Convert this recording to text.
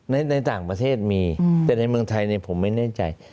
ในต่างประเทศมีแต่ในเมืองไทยผมไม่แน่ใจ